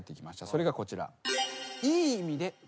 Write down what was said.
それがこちら。